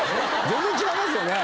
全然違いますよね。